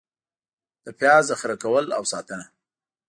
د پیاز ذخېره کول او ساتنه: